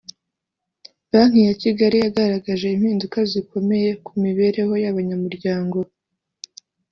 Banki ya Kigali yagaragaje impinduka zikomeye mu mibereho y’abanyamuryango